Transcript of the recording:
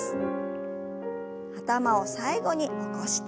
頭を最後に起こして。